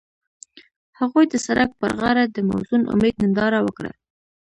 هغوی د سړک پر غاړه د موزون امید ننداره وکړه.